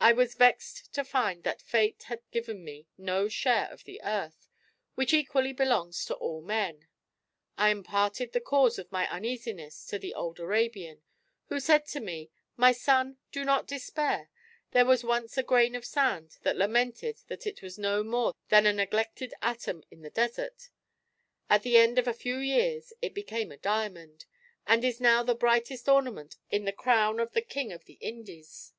I was vexed to find that fate had given me no share of the earth, which equally belongs to all men. I imparted the cause of my uneasiness to an old Arabian, who said to me: 'My son, do not despair; there was once a grain of sand that lamented that it was no more than a neglected atom in the desert; at the end of a few years it became a diamond; and is now the brightest ornament in the crown of the king of the Indies.'